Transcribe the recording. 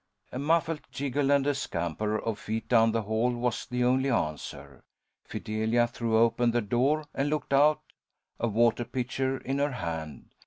A muffled giggle and a scamper of feet down the hall was the only answer. Fidelia threw open the door and looked out, a water pitcher in her hand.